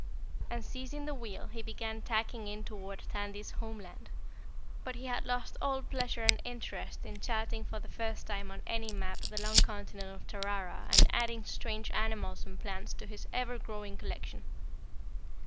And seizing the wheel, he began tacking in toward Tandy's homeland. But he had lost all pleasure and interest in charting for the first time on any map the long continent of Tarara and adding strange animals and plants to his ever growing collection.